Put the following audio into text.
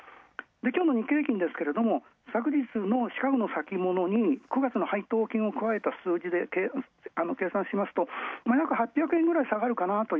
きょうの日経平均ですが昨日の先物にシカゴの先物に、９月の配当金を加えた数字で計算しますと、約８００円くらい下がるかなと。